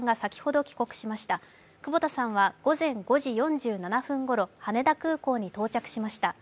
久保田さんは午前５時４７分ごろ羽田空港に到着しました。